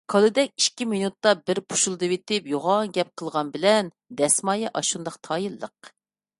كالىدەك ئىككى مېنۇتتا بىر پۇشۇلدىۋېتىپ يوغان گەپ قىلغان بىلەن دەسمايە ئاشۇنداق تايىنلىق.